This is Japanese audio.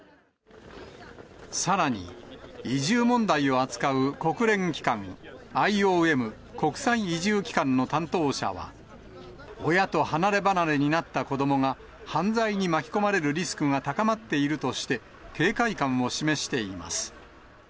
さらに、移住問題を扱う国連機関、ＩＯＭ・国際移住機関の担当者は、親と離れ離れになった子どもが、犯罪に巻き込まれるリスクが高まっているとして、警戒感を示しています。